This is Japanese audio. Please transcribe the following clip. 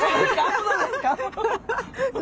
そうですか？